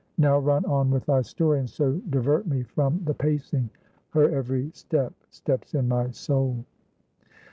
Now run on with thy story, and so divert me from the pacing; her every step steps in my soul."